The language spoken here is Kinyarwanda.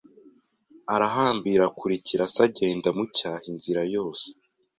arahambira akurikira se agenda amucyaha inzira yose